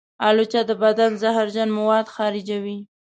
الوچه د بدن زهرجن مواد خارجوي.